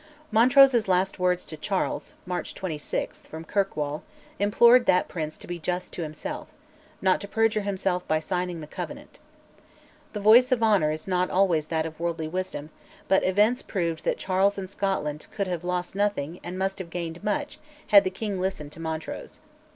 Montrose's last words to Charles (March 26, from Kirkwall) implored that Prince "to be just to himself," not to perjure himself by signing the Covenant. The voice of honour is not always that of worldly wisdom, but events proved that Charles and Scotland could have lost nothing and must have gained much had the king listened to Montrose.